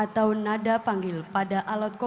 tuhan di atasku